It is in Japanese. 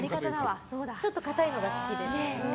ちょっと硬いのが好きです。